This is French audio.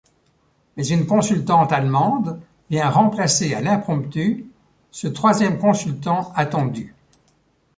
Mais une consultante allemande vient remplacer à l'impromptu ce troisième consultant attendu.